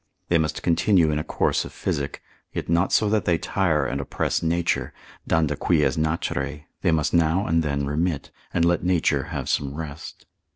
They must continue in a course of physic, yet not so that they tire and oppress nature, danda quies naturae, they must now and then remit, and let nature have some rest.